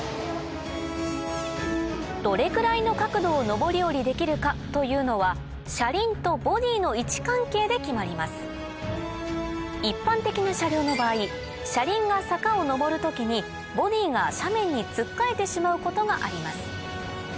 どれくらいの角度を上り下りできるかというのは車輪とボディーの位置関係で決まります一般的な車両の場合車輪が坂を上る時にボディーが斜面につっかえてしまうことがあります